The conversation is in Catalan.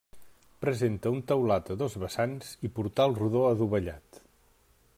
Presenta un teulat a dos vessants i portal rodó adovellat.